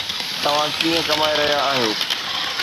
توهان ڪئين ڪمائي رهيا آهيو؟